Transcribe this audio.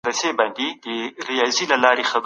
عدالت بايد د ژوند په ټولو چارو کي پلی سي.